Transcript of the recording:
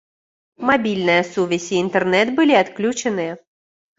Мабільная сувязь і інтэрнэт былі адключаныя.